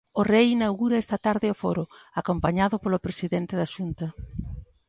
O Rei inaugura esta tarde o foro, acompañado polo presidente da Xunta.